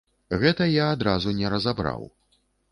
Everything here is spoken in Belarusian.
Гэта я адразу не разабраў.